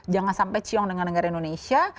jangan sampai ciong dengan negara indonesia